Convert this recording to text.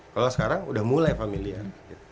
kalau sekarang udah mulai familiar